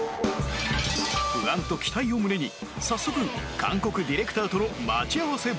不安と期待を胸に早速韓国ディレクターとの待ち合わせ場所へ